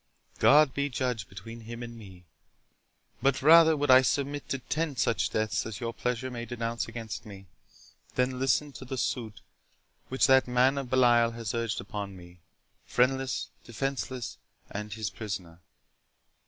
—God be judge between him and me! but rather would I submit to ten such deaths as your pleasure may denounce against me, than listen to the suit which that man of Belial has urged upon me—friendless, defenceless, and his prisoner.